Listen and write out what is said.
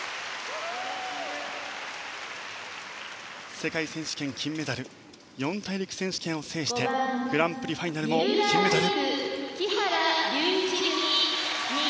世界選手権金メダル四大陸選手権を制してグランプリファイナルも金メダル。